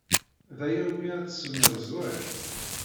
D aya umi ara tsemmiḍ zzwaj?